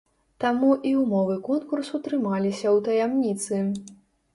Таму і ўмовы конкурсу трымаліся ў таямніцы.